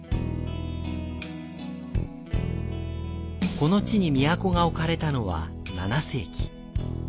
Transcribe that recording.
この地に都が置かれたのは７世紀。